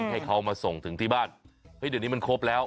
ให้เขามาส่งถึงที่บ้านเฮ้ยเดี๋ยวนี้มันครบแล้ว